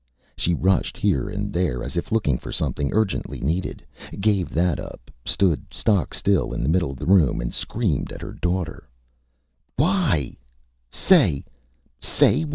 She rushed here and there, as if looking for something urgently needed gave that up, stood stock still in the middle of the room, and screamed at her daughter ÂWhy? Say! Say!